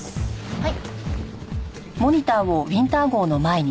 はい。